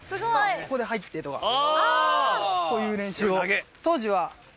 ここで入ってとかこういう練習を。